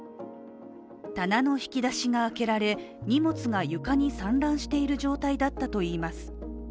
棚の引き出しが開けられ、荷物が床に散乱している状態だったといいます。